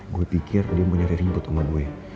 gue pikir dia mau nyari ribut sama gue